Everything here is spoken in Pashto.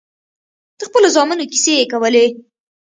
د خپلو زامنو کيسې يې کولې.